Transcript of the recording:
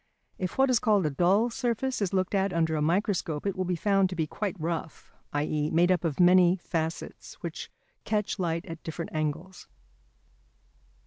If what is called a dull surface is looked at under a microscope it will be found to be quite rough, i.e. made up of many facets which catch light at different angles.